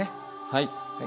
はい。